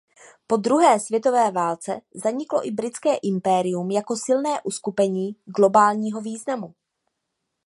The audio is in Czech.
Po druhé světové válce zaniklo i Britské impérium jako silné uskupení globálního významu.